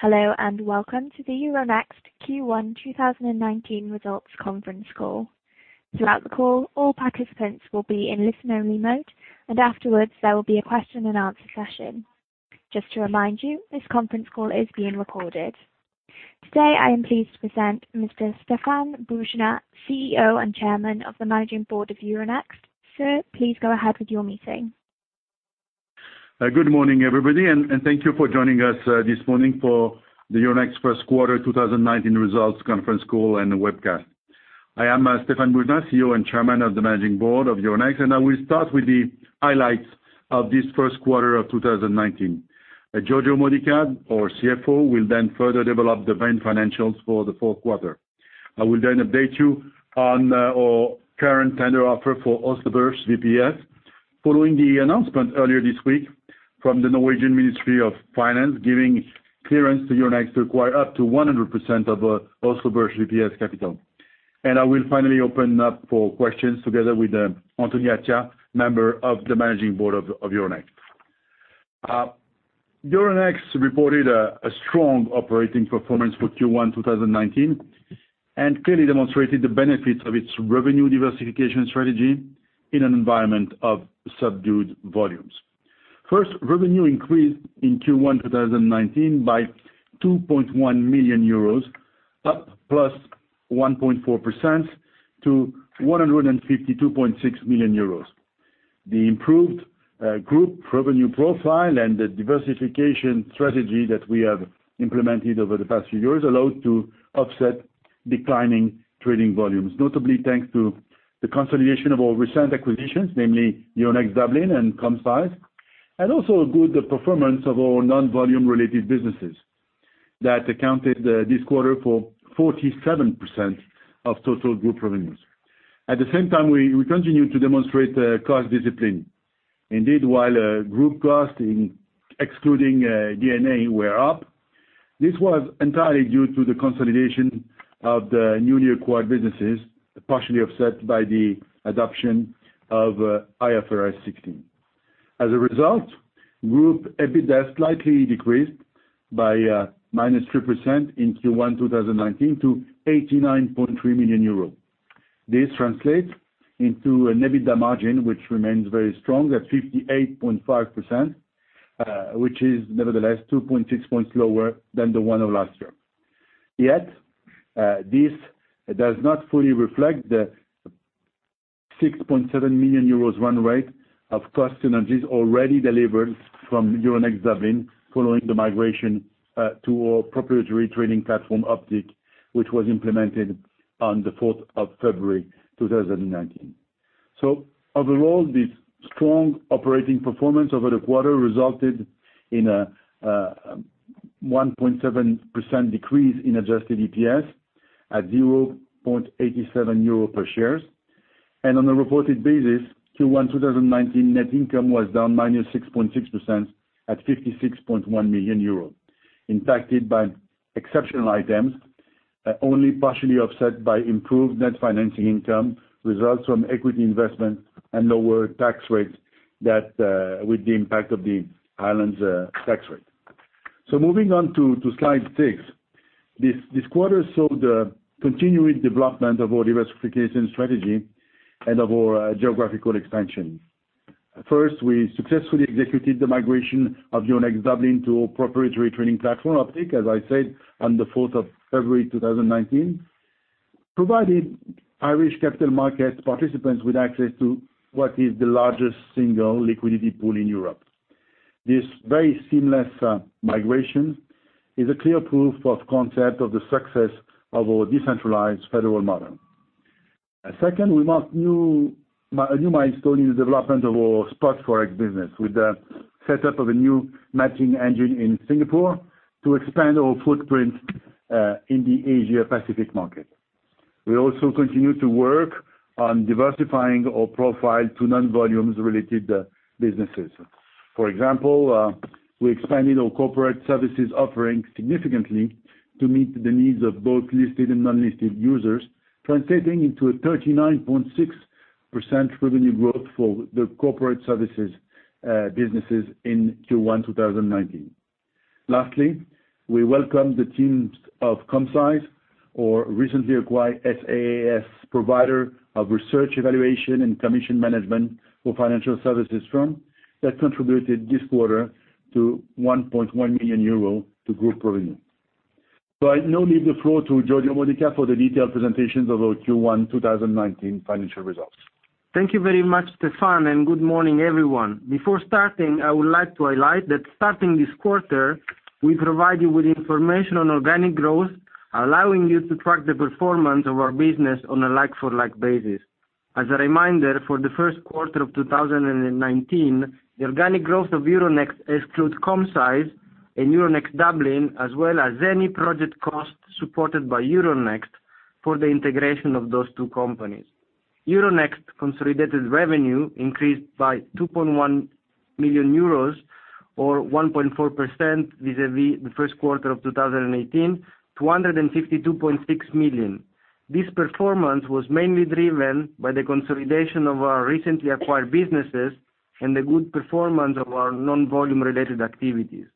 Hello, welcome to the Euronext Q1 2019 results conference call. Throughout the call, all participants will be in listen-only mode, and afterwards, there will be a question and answer session. Just to remind you, this conference call is being recorded. Today, I am pleased to present Mr. Stéphane Boujnah, CEO and Chairman of the Managing Board of Euronext. Sir, please go ahead with your meeting. Good morning, everybody, thank you for joining us this morning for the Euronext first quarter 2019 results conference call and the webcast. I am Stéphane Boujnah, CEO and Chairman of the Managing Board of Euronext, I will start with the highlights of this first quarter of 2019. Giorgio Modica, our CFO, will further develop the main financials for the fourth quarter. I will update you on our current tender offer for Oslo Børs VPS following the announcement earlier this week from the Norwegian Ministry of Finance giving clearance to Euronext to acquire up to 100% of Oslo Børs VPS capital. I will finally open up for questions together with Anthony Attia, Member of the Managing Board of Euronext. Euronext reported a strong operating performance for Q1 2019 and clearly demonstrated the benefits of its revenue diversification strategy in an environment of subdued volumes. First, revenue increased in Q1 2019 by 2.1 million euros, up +1.4% to 152.6 million euros. The improved group revenue profile and the diversification strategy that we have implemented over the past few years allowed to offset declining trading volumes, notably thanks to the consolidation of our recent acquisitions, namely Euronext Dublin and Commcise and also a good performance of our non-volume related businesses that accounted this quarter for 47% of total group revenues. At the same time, we continue to demonstrate cost discipline. Indeed, while group cost, excluding D&A, were up, this was entirely due to the consolidation of the newly acquired businesses, partially offset by the adoption of IFRS 16. As a result, group EBITDA slightly decreased by -3% in Q1 2019 to 89.3 million euros. This translates into an EBITDA margin, which remains very strong at 58.5%, which is nevertheless 2.6 points lower than the one of last year. Yet, this does not fully reflect the 6.7 million euros run rate of cost synergies already delivered from Euronext Dublin following the migration to our proprietary trading platform, Optiq, which was implemented on the 4th of February 2019. Overall, this strong operating performance over the quarter resulted in a 1.7% decrease in adjusted EPS at 0.87 euro per share. On a reported basis, Q1 2019 net income was down -6.6% at 56.1 million euros, impacted by exceptional items only partially offset by improved net financing income, results from equity investment and lower tax rates with the impact of the Irish tax rate. Moving on to slide six. This quarter saw the continuing development of our diversification strategy and of our geographical expansion. First, we successfully executed the migration of Euronext Dublin to our proprietary trading platform, Optiq, as I said, on the 4th of February 2019, provided Irish capital market participants with access to what is the largest single liquidity pool in Europe. This very seamless migration is a clear proof of concept of the success of our decentralized federal model. Second, we mark a new milestone in the development of our Spot FX business with the setup of a new matching engine in Singapore to expand our footprint in the Asia-Pacific market. We also continue to work on diversifying our profile to non-volume related businesses. For example, we expanded our corporate services offering significantly to meet the needs of both listed and non-listed users, translating into a 39.6% revenue growth for the corporate services businesses in Q1 2019. Lastly, we welcome the teams of ComStage, our recently acquired SaaS provider of research evaluation and commission management for financial services firm that contributed this quarter 1.1 million euro to group revenue. I now leave the floor to Giorgio Modica for the detailed presentations of our Q1 2019 financial results. Thank you very much, Stéphane, and good morning, everyone. Before starting, I would like to highlight that starting this quarter, we provide you with information on organic growth, allowing you to track the performance of our business on a like-for-like basis. As a reminder, for the first quarter of 2019, the organic growth of Euronext excludes ComStage and Euronext Dublin, as well as any project costs supported by Euronext for the integration of those two companies. Euronext consolidated revenue increased by 2.1 million euros or 1.4% vis-a-vis the first quarter of 2018 to 152.6 million. This performance was mainly driven by the consolidation of our recently acquired businesses and the good performance of our non-volume related activities.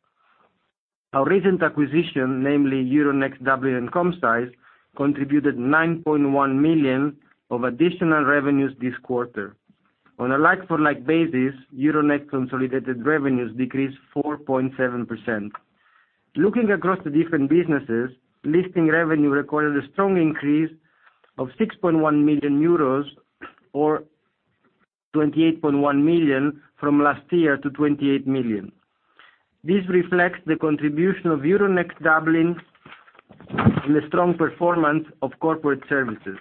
Our recent acquisition, namely Euronext Dublin, ComStage, contributed 9.1 million of additional revenues this quarter. On a like-for-like basis, Euronext consolidated revenues decreased 4.7%. Looking across the different businesses, listing revenue recorded a strong increase of 6.1 million euros or 28.1 million from last year to 28 million. This reflects the contribution of Euronext Dublin and the strong performance of corporate services.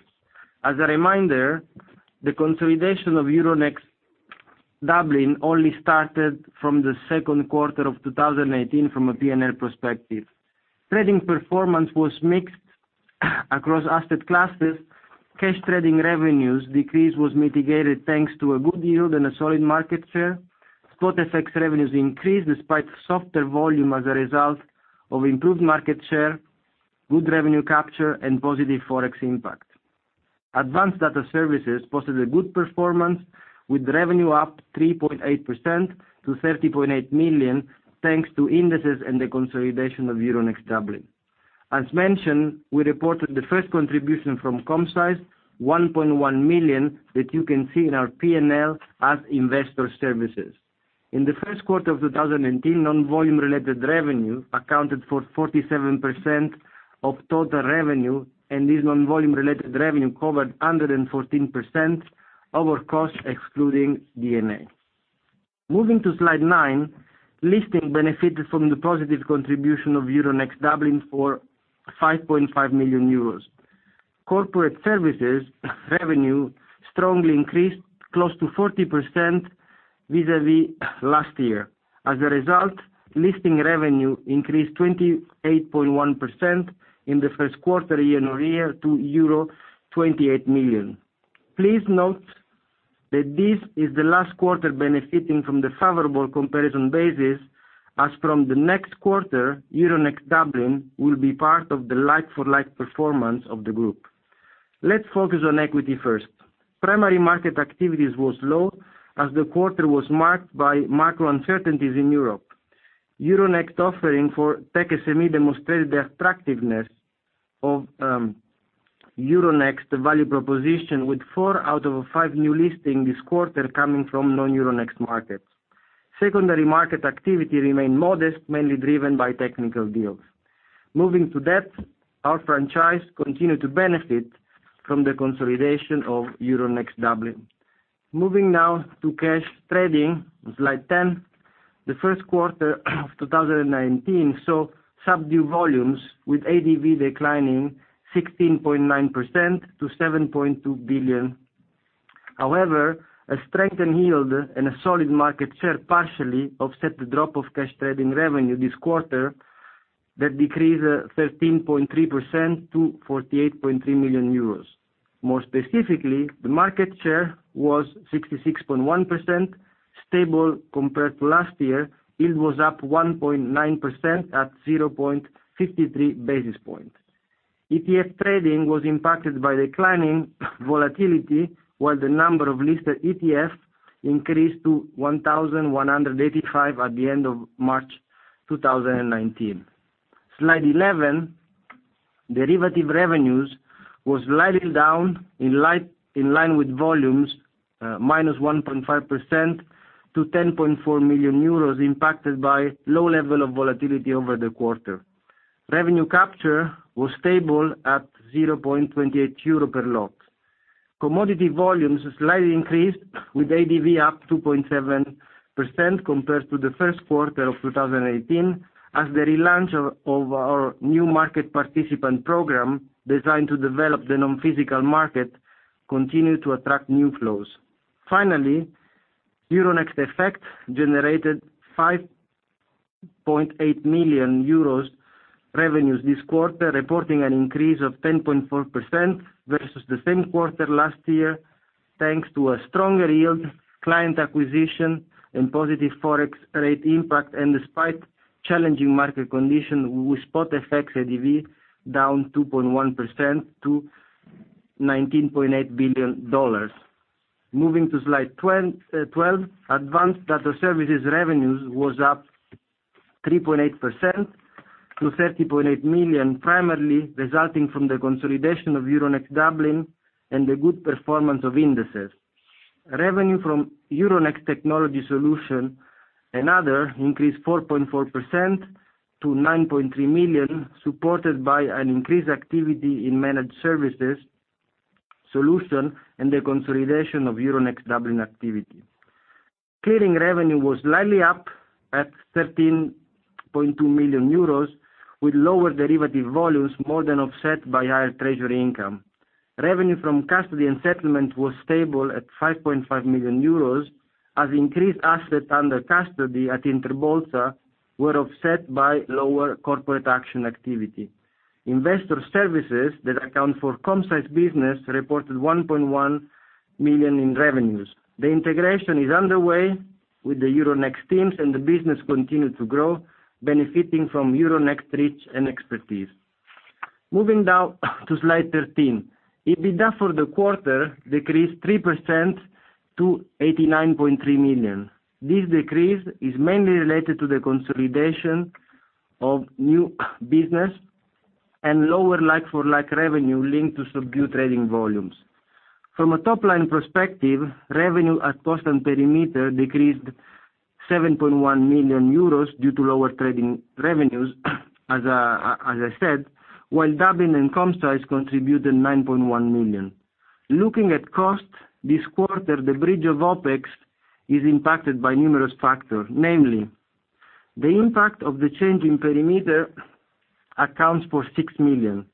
As a reminder, the consolidation of Euronext Dublin only started from the second quarter of 2018 from a P&L perspective. Trading performance was mixed across asset classes. Cash trading revenues decrease was mitigated thanks to a good yield and a solid market share. Spot FX revenues increased despite softer volume as a result of improved market share, good revenue capture, and positive FX impact. Advanced data services posted a good performance with revenue up 3.8% to 30.8 million, thanks to indices and the consolidation of Euronext Dublin. As mentioned, we reported the first contribution from ComStage, 1.1 million, that you can see in our P&L as investor services. In the first quarter of 2018, non-volume related revenue accounted for 47% of total revenue. This non-volume related revenue covered 114% over cost, excluding D&A. Moving to slide nine, listing benefited from the positive contribution of Euronext Dublin for 5.5 million euros. Corporate services revenue strongly increased close to 40% vis-à-vis last year. As a result, listing revenue increased 28.1% in the first quarter year-on-year to euro 28 million. Please note that this is the last quarter benefiting from the favorable comparison basis, as from the next quarter, Euronext Dublin will be part of the like-for-like performance of the group. Let's focus on equity first. Primary market activities was low as the quarter was marked by macro uncertainties in Europe. Euronext offering for Tech SME demonstrated the attractiveness of Euronext value proposition with four out of five new listing this quarter coming from non-Euronext markets. Secondary market activity remained modest, mainly driven by technical deals. Moving to debt, our franchise continued to benefit from the consolidation of Euronext Dublin. Moving now to cash trading, slide 10. The first quarter of 2019 saw subdued volumes, with ADV declining 16.9% to 7.2 billion. A strengthened yield and a solid market share partially offset the drop of cash trading revenue this quarter that decreased 13.3% to 48.3 million euros. More specifically, the market share was 66.1%, stable compared to last year. It was up 1.9% at 0.53 basis point. ETF trading was impacted by declining volatility, while the number of listed ETF increased to 1,185 at the end of March 2019. Slide 11, derivative revenues was slightly down in line with volumes, -1.5% to 10.4 million euros, impacted by low level of volatility over the quarter. Revenue capture was stable at 0.28 euro per lot. Commodity volumes slightly increased with ADV up 2.7% compared to the first quarter of 2018, as the relaunch of our new market participant program, designed to develop the non-physical market, continued to attract new flows. Finally, Euronext FX generated 5.8 million euros revenues this quarter, reporting an increase of 10.4% versus the same quarter last year, thanks to a stronger yield, client acquisition, and positive FX rate impact, and despite challenging market conditions with Spot FX ADV down 2.1% to $19.8 billion. Moving to slide 12, advanced data services revenues was up 3.8% to 30.8 million, primarily resulting from the consolidation of Euronext Dublin and the good performance of indices. Revenue from Euronext Technology Solutions and other increased 4.4% to 9.3 million, supported by an increased activity in managed services solution and the consolidation of Euronext Dublin activity. Clearing revenue was slightly up at 13.2 million euros, with lower derivative volumes more than offset by higher treasury income. Revenue from custody and settlement was stable at 5.5 million euros, as increased assets under custody at Interbolsa were offset by lower corporate action activity. Investor services that account for ComStage business reported 1.1 million in revenues. The integration is underway with the Euronext teams and the business continue to grow, benefiting from Euronext reach and expertise. Moving down to slide 13. EBITDA for the quarter decreased 3% to 89.3 million. This decrease is mainly related to the consolidation of new business and lower like-for-like revenue linked to subdued trading volumes. From a top-line perspective, revenue at constant perimeter decreased 7.1 million euros due to lower trading revenues, as I said, while Dublin and ComStage contributed 9.1 million. Looking at cost this quarter, the bridge of OpEx is impacted by numerous factors, namely, the impact of the change in perimeter accounts for 6 million.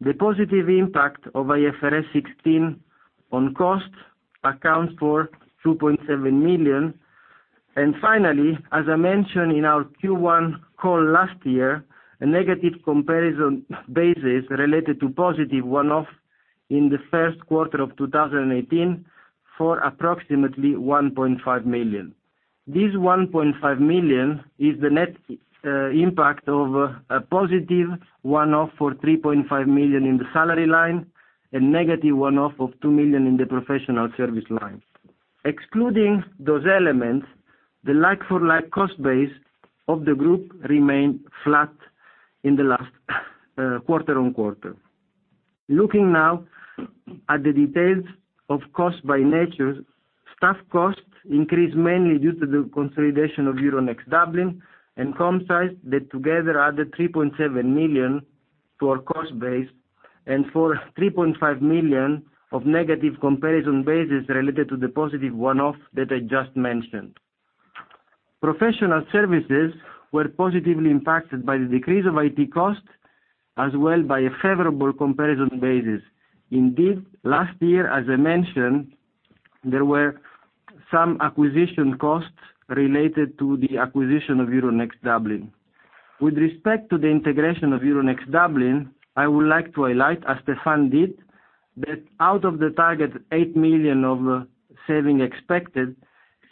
The positive impact of IFRS 16 on cost accounts for 2.7 million. Finally, as I mentioned in our Q1 call last year, a negative comparison basis related to positive one-off in the first quarter of 2018 for approximately 1.5 million. This 1.5 million is the net impact of a positive one-off for 3.5 million in the salary line, a negative one-off of 2 million in the professional service line. Excluding those elements, the like-for-like cost base of the group remained flat in the last quarter on quarter. Looking now at the details of cost by nature, staff costs increased mainly due to the consolidation of Euronext Dublin and ComStage that together added 3.7 million to our cost base, and for 3.5 million of negative comparison basis related to the positive one-off that I just mentioned. Professional services were positively impacted by the decrease of IT costs, as well by a favorable comparison basis. Indeed, last year, as I mentioned, there were some acquisition costs related to the acquisition of Euronext Dublin. With respect to the integration of Euronext Dublin, I would like to highlight, as Stéphane did, that out of the target 8 million of saving expected,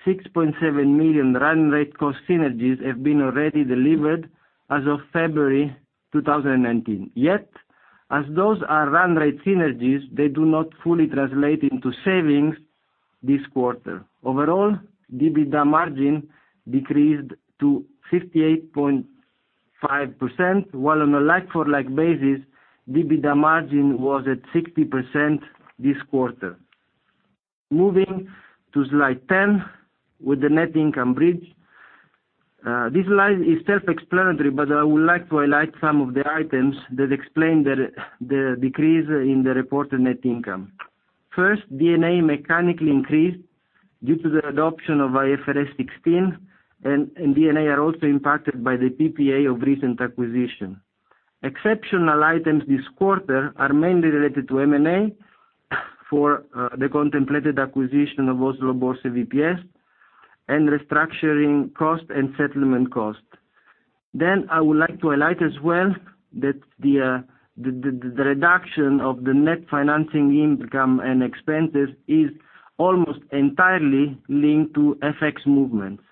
6.7 million run rate cost synergies have been already delivered as of February 2019. Yet, as those are run rate synergies, they do not fully translate into savings this quarter. Overall, EBITDA margin decreased to 58.5%, while on a like-for-like basis, EBITDA margin was at 60% this quarter. Moving to slide 10 with the net income bridge. This slide is self-explanatory, but I would like to highlight some of the items that explain the decrease in the reported net income. First, D&A mechanically increased due to the adoption of IFRS 16, and D&A are also impacted by the PPA of recent acquisition. Exceptional items this quarter are mainly related to M&A for the contemplated acquisition of Oslo Børs VPS, and restructuring cost and settlement cost. I would like to highlight as well that the reduction of the net financing income and expenses is almost entirely linked to FX movements.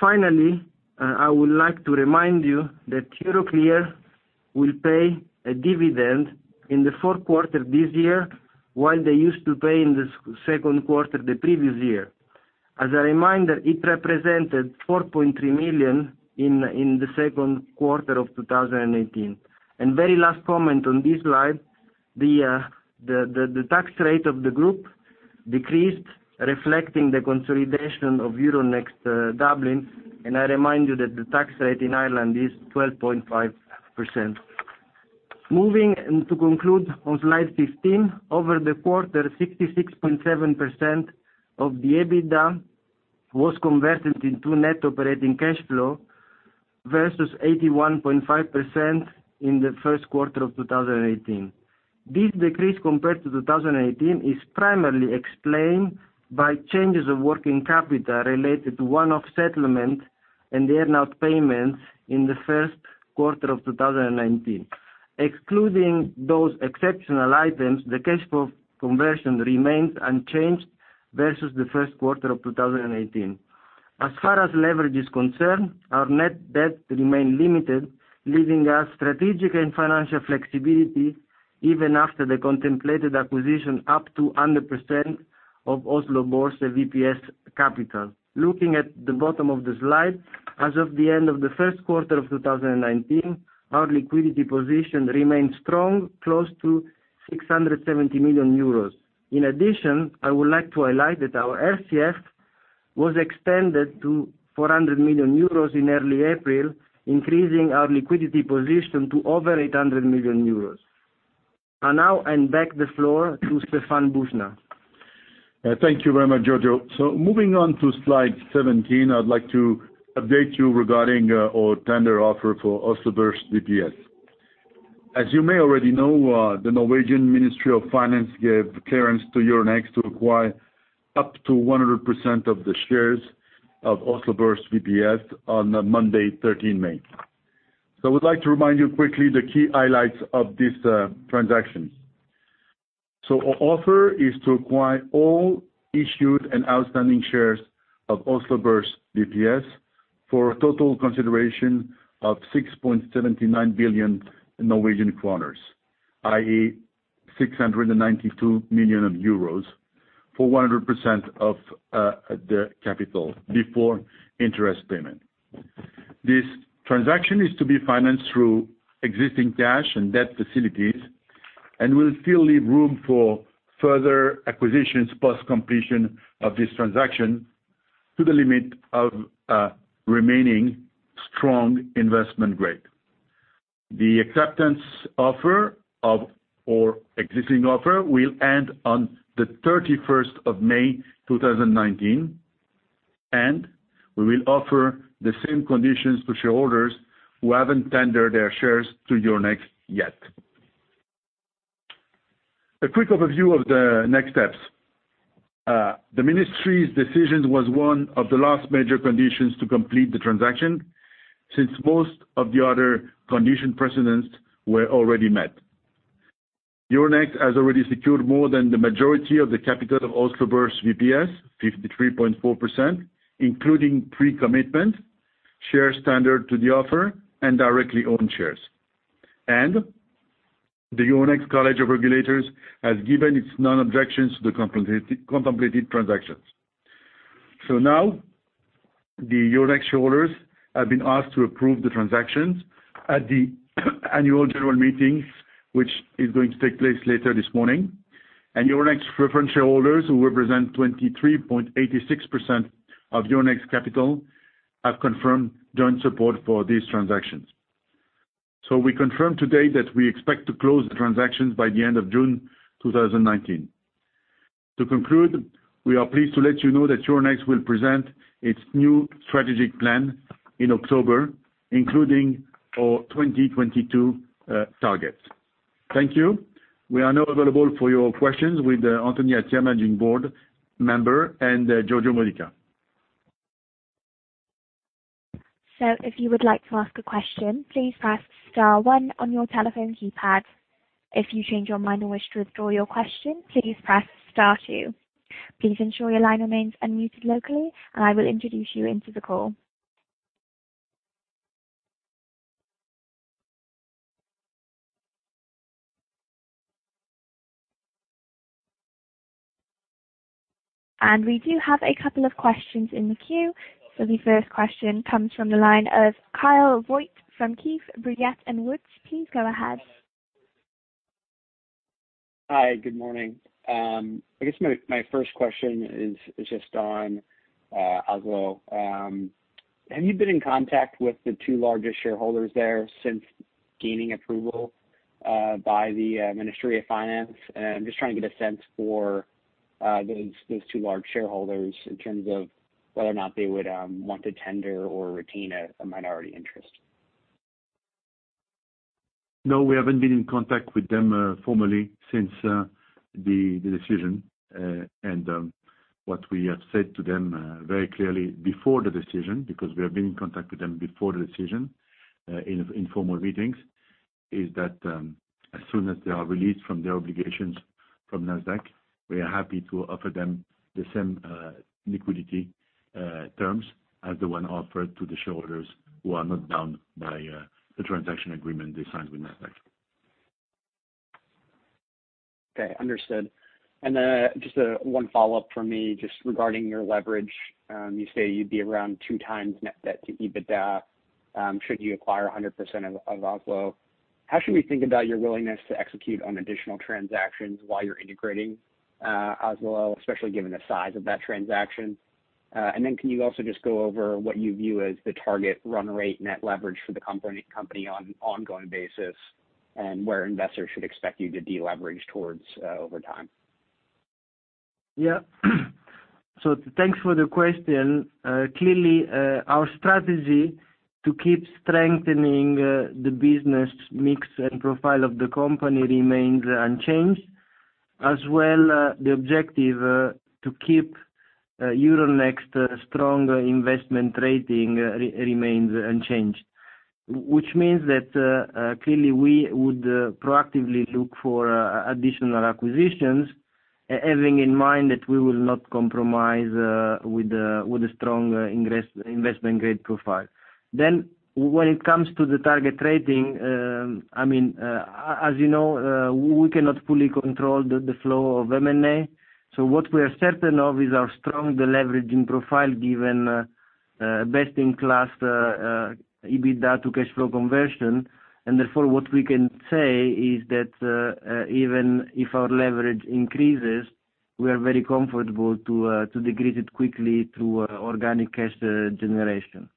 Finally, I would like to remind you that Euroclear will pay a dividend in the fourth quarter this year, while they used to pay in the second quarter the previous year. As a reminder, it represented 4.3 million in the second quarter of 2018. Very last comment on this slide, the tax rate of the group decreased, reflecting the consolidation of Euronext Dublin, and I remind you that the tax rate in Ireland is 12.5%. Moving to conclude on slide 15. Over the quarter, 66.7% of the EBITDA was converted into net operating cash flow versus 81.5% in the first quarter of 2018. This decrease compared to 2018 is primarily explained by changes of working capital related to one-off settlement and the earn-out payments in the first quarter of 2019. Excluding those exceptional items, the cash flow conversion remains unchanged versus the first quarter of 2018. As far as leverage is concerned, our net debt remain limited, leaving us strategic and financial flexibility even after the contemplated acquisition up to 100% of Oslo Børs VPS capital. Looking at the bottom of the slide, as of the end of the first quarter of 2019, our liquidity position remained strong, close to 670 million euros. In addition, I would like to highlight that our RCF was extended to 400 million euros in early April, increasing our liquidity position to over 800 million euros. Now I hand back the floor to Stéphane Boujnah. Thank you very much, Giorgio. Moving on to slide 17, I'd like to update you regarding our tender offer for Oslo Børs VPS. As you may already know, the Norwegian Ministry of Finance gave clearance to Euronext to acquire up to 100% of the shares of Oslo Børs VPS on Monday, 13 May. I would like to remind you quickly the key highlights of this transaction. Our offer is to acquire all issued and outstanding shares of Oslo Børs VPS for a total consideration of 6.79 billion Norwegian kroner, i.e., 692 million euros for 100% of the capital before interest payment. This transaction is to be financed through existing cash and debt facilities and will still leave room for further acquisitions post-completion of this transaction to the limit of remaining strong investment grade. The acceptance offer or existing offer will end on the 31st of May 2019. We will offer the same conditions to shareholders who haven't tendered their shares to Euronext yet. A quick overview of the next steps. The Ministry's decision was one of the last major conditions to complete the transaction, since most of the other condition precedents were already met. Euronext has already secured more than the majority of the capital of Oslo Børs VPS, 53.4%, including pre-commitment, share standard to the offer, and directly owned shares. The Euronext College of Regulators has given its non-objections to the contemplated transactions. Now, the Euronext shareholders have been asked to approve the transactions at the annual general meeting, which is going to take place later this morning. Euronext preference shareholders, who represent 23.86% of Euronext capital, have confirmed their support for these transactions. We confirm today that we expect to close the transactions by the end of June 2019. To conclude, we are pleased to let you know that Euronext will present its new strategic plan in October, including our 2022 targets. Thank you. We are now available for your questions with Anthony Attia, Managing Board Member, and Giorgio Modica. If you would like to ask a question, please press star one on your telephone keypad. If you change your mind or wish to withdraw your question, please press star two. Please ensure your line remains unmuted locally, and I will introduce you into the call. We do have a couple of questions in the queue. The first question comes from the line of Kyle Voigt from Keefe, Bruyette & Woods. Please go ahead. Hi. Good morning. I guess my first question is just on Oslo. Have you been in contact with the two largest shareholders there since gaining approval by the Norwegian Ministry of Finance? I'm just trying to get a sense for those two large shareholders in terms of whether or not they would want to tender or retain a minority interest. No, we haven't been in contact with them formally since the decision. What we have said to them very clearly before the decision, because we have been in contact with them before the decision in informal meetings, is that as soon as they are released from their obligations from Nasdaq, we are happy to offer them the same liquidity terms as the one offered to the shareholders who are not bound by the transaction agreement they signed with Nasdaq. Okay. Understood. Just one follow-up from me just regarding your leverage. You say you'd be around two times net debt to EBITDA should you acquire 100% of Oslo. How should we think about your willingness to execute on additional transactions while you're integrating Oslo, especially given the size of that transaction? Can you also just go over what you view as the target run rate net leverage for the company on an ongoing basis and where investors should expect you to deleverage towards over time? Thanks for the question. Clearly, our strategy to keep strengthening the business mix and profile of the company remains unchanged, as well the objective to keep Euronext strong investment rating remains unchanged. Clearly, we would proactively look for additional acquisitions, having in mind that we will not compromise with the strong investment-grade profile. When it comes to the target rating, as you know, we cannot fully control the flow of M&A. What we are certain of is our strong deleveraging profile given best-in-class EBITDA to cash flow conversion. Therefore, what we can say is that even if our leverage increases, we are very comfortable to decrease it quickly through organic cash generation.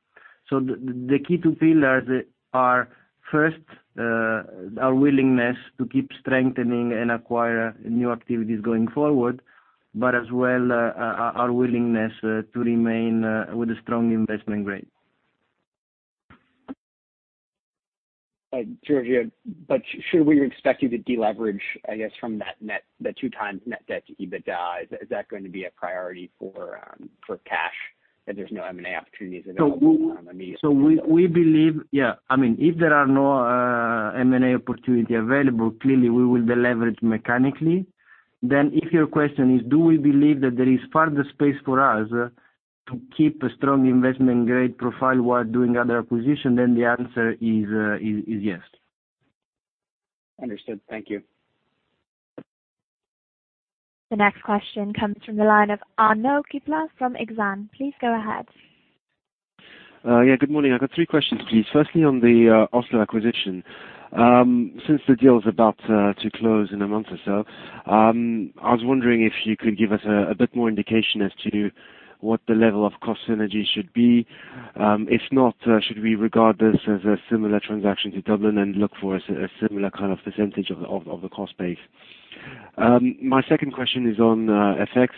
The key two pillars are first, our willingness to keep strengthening and acquire new activities going forward, but as well, our willingness to remain with a strong investment grade. Giorgio, should we expect you to de-leverage, I guess, from that two times net debt to EBITDA? Is that going to be a priority for cash? That there's no M&A opportunities available immediately. If there are no M&A opportunity available, clearly we will deleverage mechanically. If your question is do we believe that there is further space for us to keep a strong investment grade profile while doing other acquisition, then the answer is yes. Understood. Thank you. The next question comes from the line of Arnaud Giblat from Exane. Please go ahead. Yeah, good morning. I got three questions, please. Firstly, on the Oslo acquisition. Since the deal is about to close in a month or so, I was wondering if you could give us a bit more indication as to what the level of cost synergy should be. If not, should we regard this as a similar transaction to Dublin and look for a similar kind of percentage of the cost base? My second question is on FX.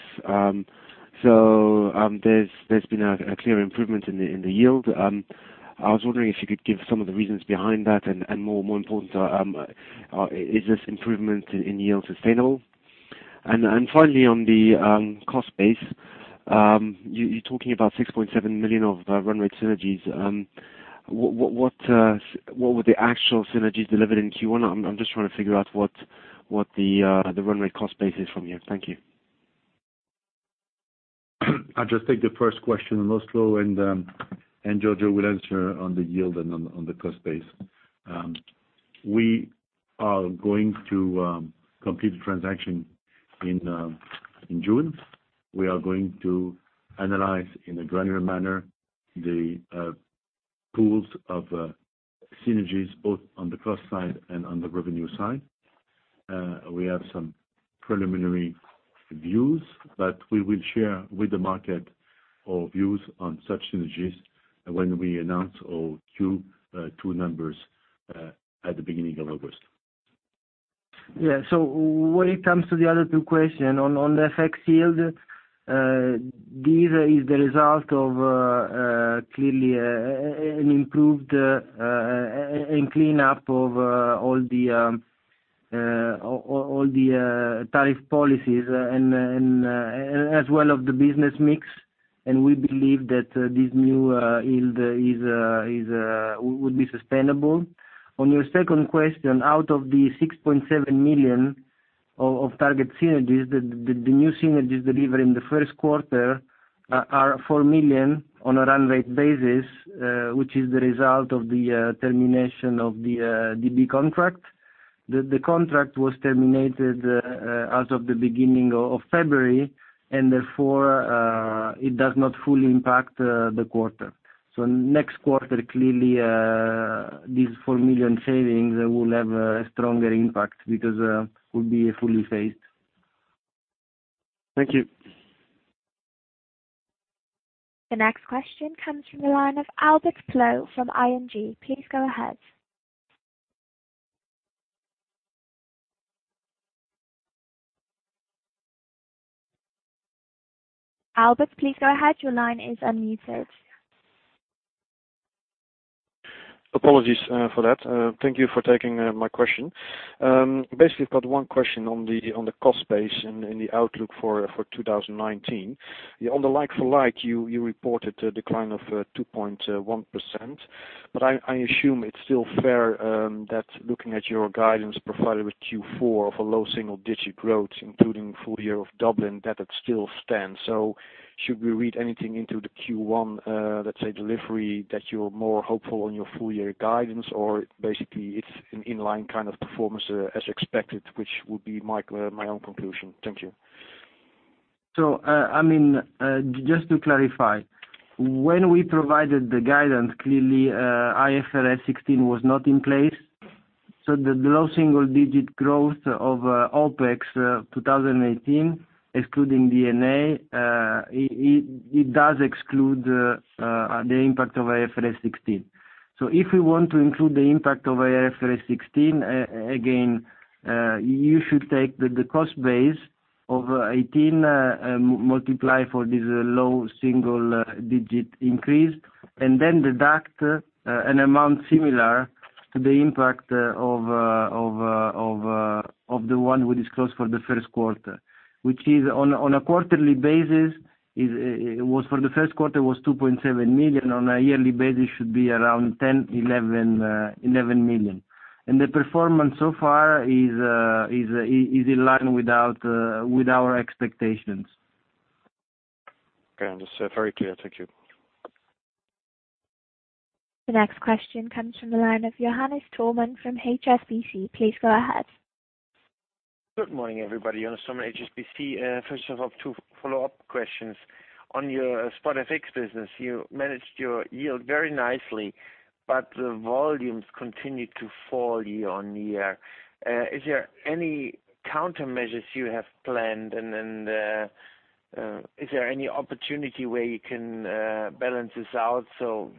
There's been a clear improvement in the yield. I was wondering if you could give some of the reasons behind that and more important, is this improvement in yield sustainable? Finally, on the cost base, you're talking about 6.7 million of run rate synergies. What were the actual synergies delivered in Q1? I'm just trying to figure what the run rate cost base is from here. Thank you. I'll just take the first question on Oslo. Giorgio will answer on the yield and on the cost base. We are going to complete the transaction in June. We are going to analyze in a granular manner the pools of synergies, both on the cost side and on the revenue side. We have some preliminary views, but we will share with the market our views on such synergies when we announce our Q2 numbers at the beginning of August. Yeah. When it comes to the other two questions on the FX yield, this is the result of clearly an improved and cleanup of all the tariff policies and as well of the business mix. We believe that this new yield would be sustainable. On your second question, out of the 6.7 million of target synergies, the new synergies delivered in the first quarter are 4 million on a run rate basis, which is the result of the termination of the DB contract. The contract was terminated as of the beginning of February, and therefore, it does not fully impact the quarter. Next quarter, clearly, this 4 million savings will have a stronger impact because will be fully phased. Thank you. The next question comes from the line of Albert Ploe from ING. Please go ahead. Albert, please go ahead. Your line is unmuted. Apologies for that. Thank you for taking my question. Basically, I have one question on the cost base and the outlook for 2019. On the like for like, you reported a decline of 2.1%, but I assume it is still fair that looking at your guidance provided with Q4 of a low single-digit growth, including full year of Dublin, that it still stands. Should we read anything into the Q1, let's say, delivery that you are more hopeful on your full year guidance or basically it is an inline kind of performance as expected, which would be my own conclusion. Thank you. Just to clarify, when we provided the guidance, clearly IFRS 16 was not in place. The low single-digit growth of OpEx 2018, excluding D&A, it does exclude the impact of IFRS 16. If we want to include the impact of IFRS 16, again, you should take the cost base of 2018, multiply for this low single-digit increase, and then deduct an amount similar to the impact of the one we disclosed for the first quarter. Which on a quarterly basis, for the first quarter, was 2.7 million. On a yearly basis, should be around 10 million-11 million. The performance so far is in line with our expectations. Okay, understood. Very clear. Thank you. The next question comes from the line of Johannes Thormann from HSBC. Please go ahead. Good morning, everybody. Johannes Thormann, HSBC. First of all, two follow-up questions. On your Spot FX business, you managed your yield very nicely, but the volumes continued to fall year-over-year. Is there any countermeasures you have planned? Is there any opportunity where you can balance this out so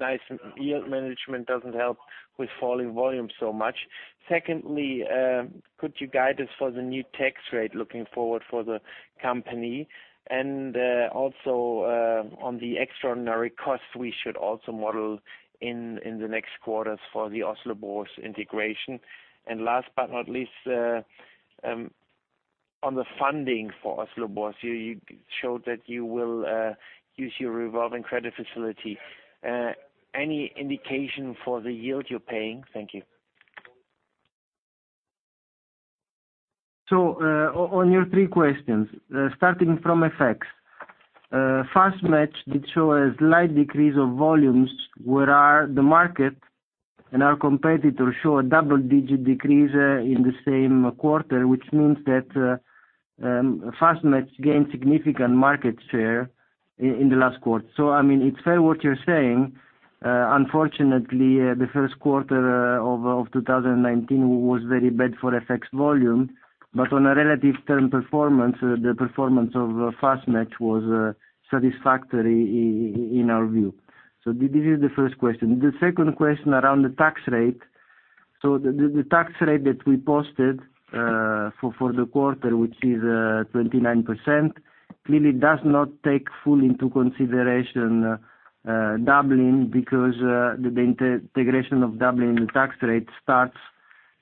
nice yield management doesn't help with falling volume so much. Secondly, could you guide us for the new tax rate looking forward for the company? Also, on the extraordinary cost we should also model in the next quarters for the Oslo Børs integration. Last but not least. On the funding for Oslo Børs, you showed that you will use your revolving credit facility. Any indication for the yield you're paying? Thank you. On your three questions, starting from FX. FastMatch did show a slight decrease of volumes, where the market and our competitor show a double-digit decrease in the same quarter, which means that FastMatch gained significant market share in the last quarter. It is fair what you are saying. Unfortunately, the first quarter of 2019 was very bad for FX volume. On a relative term performance, the performance of FastMatch was satisfactory in our view. This is the first question. The second question around the tax rate. The tax rate that we posted for the quarter, which is 29%, clearly does not take fully into consideration Dublin, because the integration of Dublin tax rate starts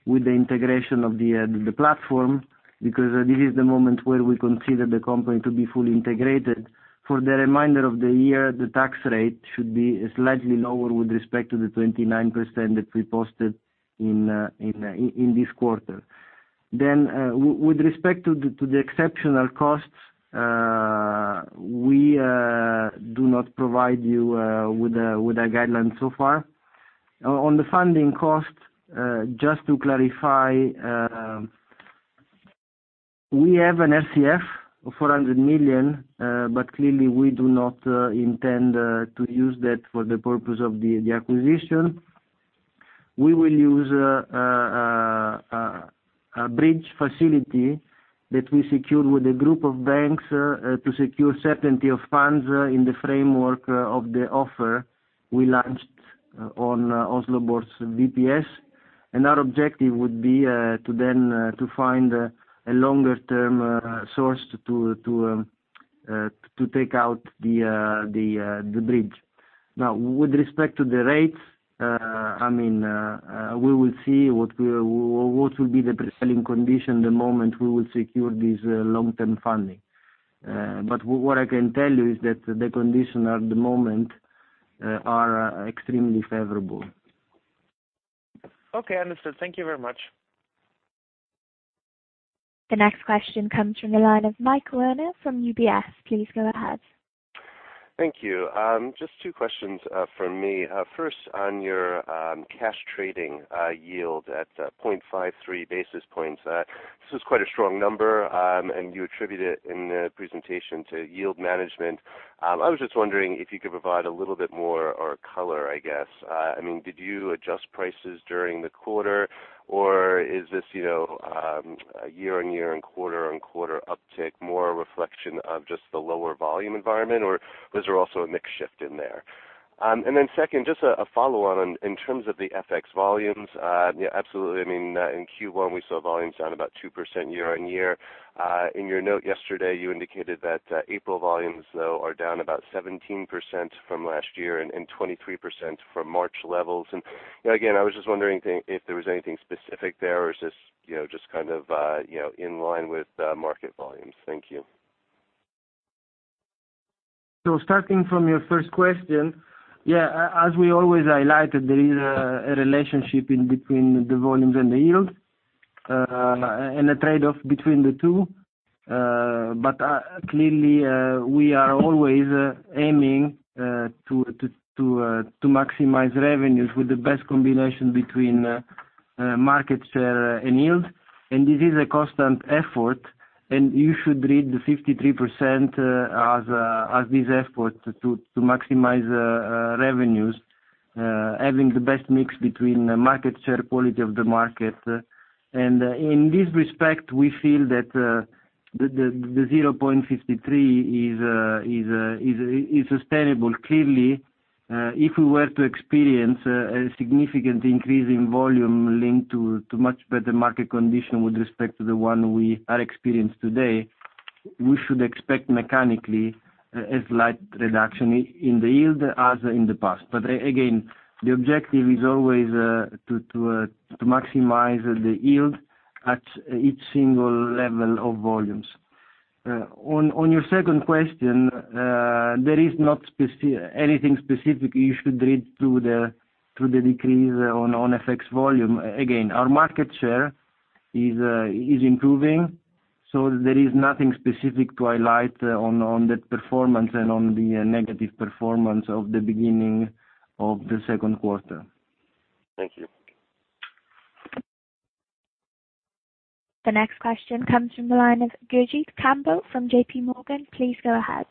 with the integration of the platform, because this is the moment where we consider the company to be fully integrated. For the remainder of the year, the tax rate should be slightly lower with respect to the 29% that we posted in this quarter. With respect to the exceptional costs, we do not provide you with a guideline so far. On the funding cost, just to clarify, we have an FCF of 400 million, but clearly we do not intend to use that for the purpose of the acquisition. We will use a bridge facility that we secured with a group of banks to secure certainty of funds in the framework of the offer we launched on Oslo Børs VPS. Our objective would be to then find a longer-term source to take out the bridge. With respect to the rates, we will see what will be the prevailing condition, the moment we will secure this long-term funding. What I can tell you is that the conditions at the moment are extremely favorable. Understood. Thank you very much. The next question comes from the line of Michael Werner from UBS. Please go ahead. Thank you. Just two questions from me. First, on your cash trading yield at 0.53 basis points. This was quite a strong number, and you attribute it in the presentation to yield management. I was just wondering if you could provide a little bit more color, I guess. Did you adjust prices during the quarter, or is this a year-on-year and quarter-on-quarter uptick more a reflection of just the lower volume environment, or was there also a mix shift in there? Second, just a follow-on, in terms of the FX volumes. Yeah, absolutely. In Q1, we saw volumes down about 2% year-on-year. In your note yesterday, you indicated that April volumes, though, are down about 17% from last year and 23% from March levels. Again, I was just wondering if there was anything specific there, or is this just in line with market volumes? Thank you. Starting from your first question. Yeah, as we always highlighted, there is a relationship between the volumes and the yield, and a trade-off between the two. Clearly, we are always aiming to maximize revenues with the best combination between market share and yield. This is a constant effort, and you should read the 53% as this effort to maximize revenues, having the best mix between market share, quality of the market. In this respect, we feel that the 0.53 is sustainable. Clearly, if we were to experience a significant increase in volume linked to much better market condition with respect to the one we are experiencing today, we should expect mechanically a slight reduction in the yield as in the past. Again, the objective is always to maximize the yield at each single level of volumes. On your second question, there is not anything specific you should read to the decrease on FX volume. Again, our market share is improving, so there is nothing specific to highlight on that performance and on the negative performance of the beginning of the second quarter. Thank you. The next question comes from the line of Gurjit Kambo from JP Morgan. Please go ahead.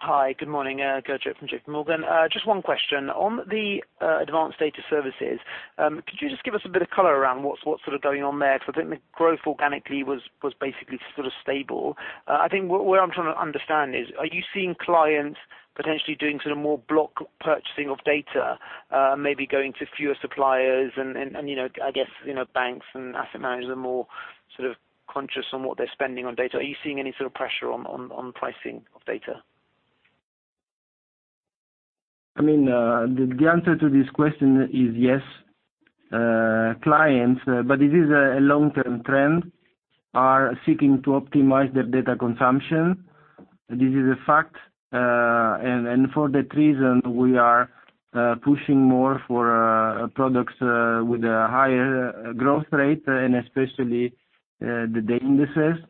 Hi, good morning. Gurjit from JP Morgan. Just one question. On the advanced data services, could you just give us a bit of color around what's going on there? The growth organically was basically stable. What I'm trying to understand is, are you seeing clients potentially doing more block purchasing of data, maybe going to fewer suppliers, and I guess banks and asset managers are more conscious on what they're spending on data. Are you seeing any pressure on pricing of data? The answer to this question is yes. Clients, but it is a long-term trend, are seeking to optimize their data consumption. This is a fact, and for that reason, we are pushing more for products with a higher growth rate and especially the data indices.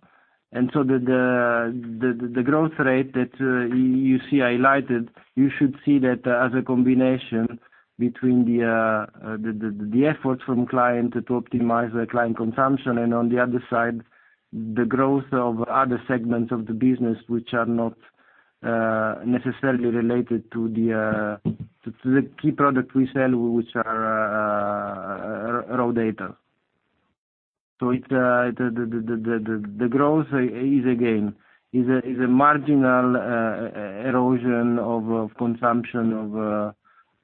The growth rate that you see highlighted, you should see that as a combination between the efforts from client to optimize the client consumption, and on the other side, the growth of other segments of the business which are not necessarily related to the key product we sell, which are raw data. The growth is again, a marginal erosion of consumption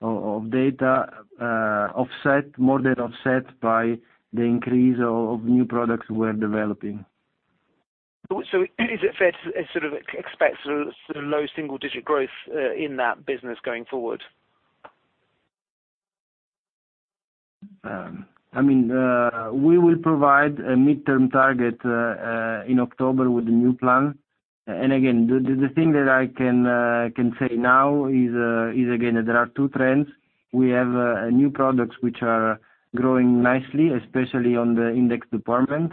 of data, more than offset by the increase of new products we're developing. Is it fair to expect sort of low single-digit growth in that business going forward? We will provide a midterm target in October with the new plan. Again, the thing that I can say now is again, there are two trends. We have new products which are growing nicely, especially on the index department,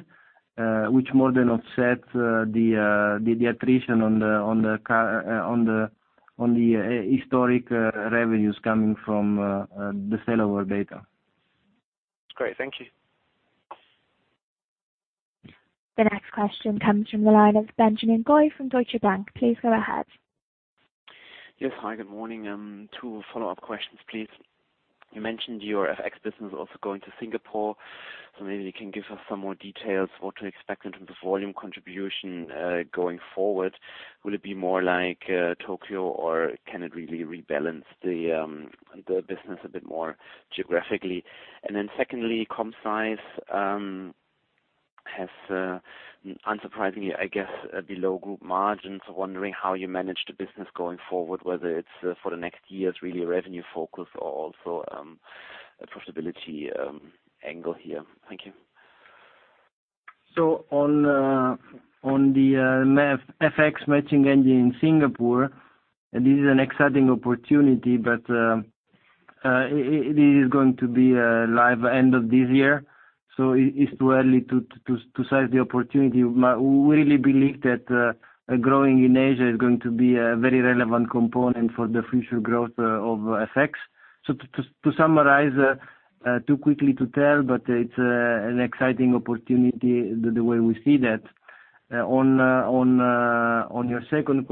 which more than offset the attrition on the historic revenues coming from the sale of our data. Great. Thank you. The next question comes from the line of Benjamin Goy from Deutsche Bank. Please go ahead. Yes. Hi, good morning. Two follow-up questions, please. You mentioned your FX business also going to Singapore, maybe you can give us some more details what to expect in terms of volume contribution going forward. Will it be more like Tokyo, or can it really rebalance the business a bit more geographically? Secondly, ComStage has unsurprisingly, I guess, below group margins. Wondering how you manage the business going forward, whether it's for the next year, it's really a revenue focus or also a profitability angle here. Thank you. On the FX matching engine in Singapore, this is an exciting opportunity, but it is going to be live end of this year, it's too early to size the opportunity. We really believe that growing in Asia is going to be a very relevant component for the future growth of FX. To summarize, too quickly to tell, but it's an exciting opportunity the way we see that. On your second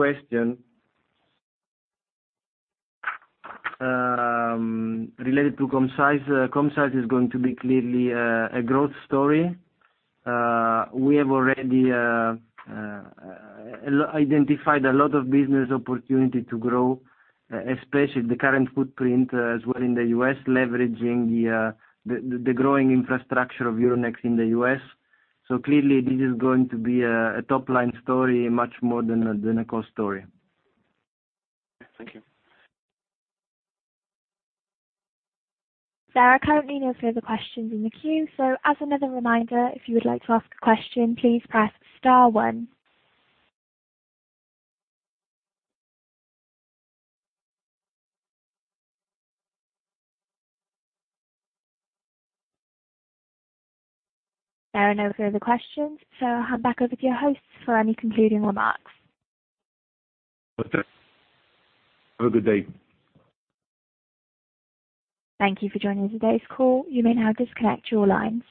question, related to ComStage. ComStage is going to be clearly a growth story. We have already identified a lot of business opportunity to grow, especially the current footprint as well in the U.S., leveraging the growing infrastructure of Euronext in the U.S. Clearly this is going to be a top-line story much more than a cost story. Thank you. There are currently no further questions in the queue. As another reminder, if you would like to ask a question, please press star one. There are no further questions, I'll hand back over to your hosts for any concluding remarks. Okay. Have a good day. Thank you for joining today's call. You may now disconnect your lines.